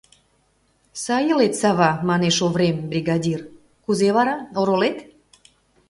— Сай илет, Сава! — манеш Оврем, бригадир, — Кузе вара, оролет?